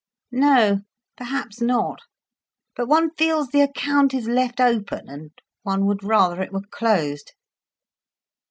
"No, perhaps not. But one feels the account is left open, and one would rather it were closed."